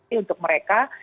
ini untuk mereka